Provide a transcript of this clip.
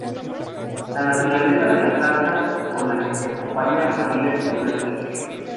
La naturaleza de la salsa con la que se acompañan varía según la ciudad.